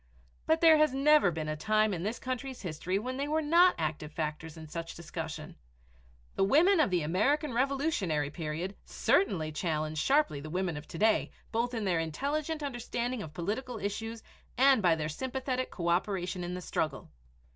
But there has never been a time in this country's history when they were not active factors in such discussion. The women of the American Revolutionary Period certainly challenge sharply the women of to day, both by their intelligent understanding of political issues and by their sympathetic coöperation in the struggle.